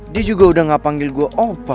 dia juga udah gak panggil gue opa